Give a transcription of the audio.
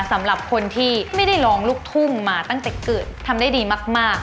สำหรับคนที่ไม่ได้ร้องลูกทุ่งมาตั้งแต่เกิดทำได้ดีมาก